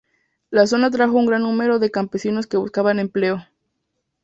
La zona atrajo a un gran número de campesinos que buscaban empleo.